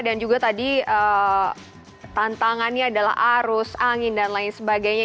dan juga tadi tantangannya adalah arus angin dan lain sebagainya